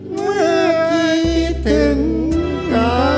เมื่อกี้ถึงกัน